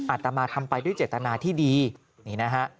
อาตมาทำไปด้วยเจตนาที่ดีนี่นะฮะ